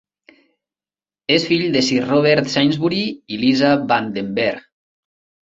És fill de Sir Robert Sainsbury i Lisa van den Bergh.